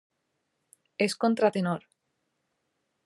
És contratenor.